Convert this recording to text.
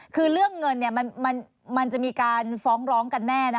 คือเรื่องเงินมันจะมีการฟ้องร้องกันแน่นะ